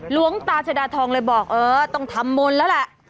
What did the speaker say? หลวงตาชดาทองเลยบอกเออต้องทำมนต์แล้วแหละ